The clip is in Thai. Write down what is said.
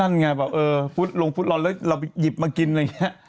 นั่นไงก็แบบพุธรวงพุธร้อนเรามันหยิบมากินอย่างนี้